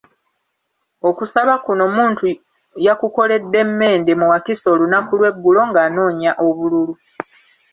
Okusaba kuno Muntu yakukoledde Mende mu Wakiso olunaku lw’eggulo ng’anoonya obululu.